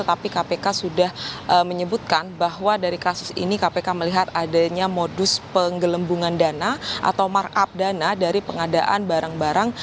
tapi kpk sudah menyebutkan bahwa dari kasus ini kpk melihat adanya modus penggelembungan dana atau markup dana dari pengadaan barang barang